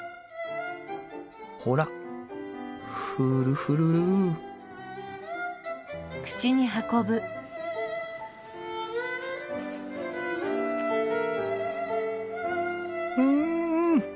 ほらフルフルルうん！